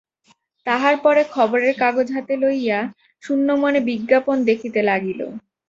তাহার পরে খবরের কাগজ হাতে লইয়া শূন্যমনে বিজ্ঞাপন দেখিতে লাগিল।